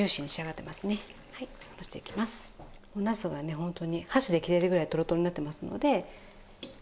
ホントに箸で切れるぐらいとろとろになってますので。